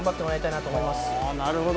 なるほど。